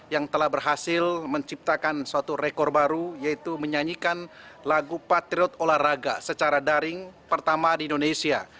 yang telah berhasil menciptakan suatu rekor baru yaitu menyanyikan lagu patriot olahraga secara daring pertama di indonesia